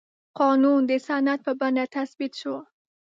قانون د سند په بڼه تثبیت شو.